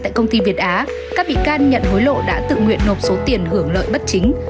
tại công ty việt á các bị can nhận hối lộ đã tự nguyện nộp số tiền hưởng lợi bất chính